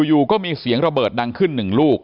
อยู่ก็มีเสียงระเบิดดังขึ้นหนึ่งลูก